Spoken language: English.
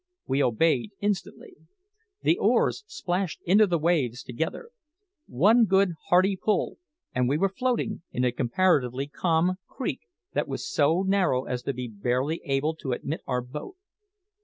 We obeyed instantly. The oars splashed into the waves together. One good, hearty pull, and we were floating in a comparatively calm creek that was so narrow as to be barely able to admit our boat.